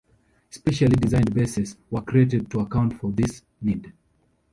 Specially designed bases were created to account for this need.